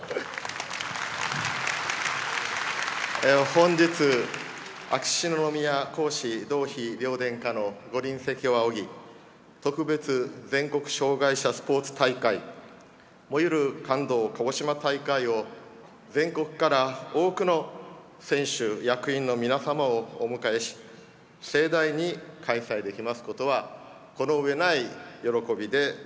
本日、秋篠宮皇嗣同妃両殿下の御臨席を仰ぎ特別全国障害者スポーツ大会「燃ゆる感動かごしま大会」を全国から多くの選手・役員のみなさまをお迎えし盛大に開催できますことはこの上ない喜びであります。